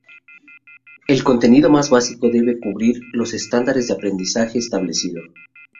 El contenido más básico debe cubrir los estándares de aprendizaje establecido.